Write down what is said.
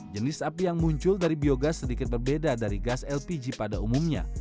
jenis api yang muncul dari biogas sedikit berbeda dari gas lpg pada umumnya